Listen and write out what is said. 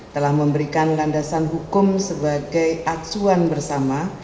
telah memberikan landasan hukum sebagai acuan bersama